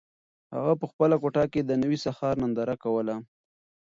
هغه په خپله کوټه کې د نوي سهار ننداره کوله.